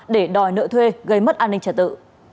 để đòi nợ thuê gây mất an ninh trả tự